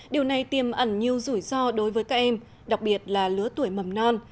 điều này tiềm ẩn nhiều rủi ro đối với các em đặc biệt là lứa tuổi mầm non